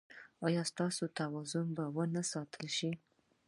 ایا ستاسو توازن به و نه ساتل شي؟